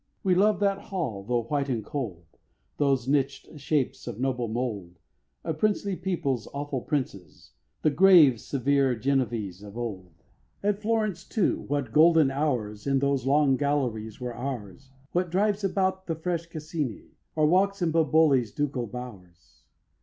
We loved that hall, tho' white and cold, Those niched shapes of noble mould, A princely people's awful princes, The grave, severe Genovese of old. At Florence too what golden hours, In those long galleries, were ours; What drives about the fresh Cascinč, Or walks in Boboli's ducal bowers.